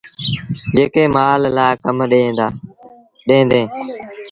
جيڪي مآل لآ ڪم ڏيݩ ديٚݩ۔